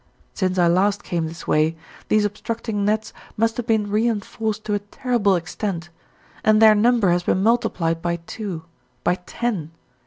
Since I last came this way these obstructing nets must have been reinforced to a terrible extent, and their number has been multiplied by two, by ten.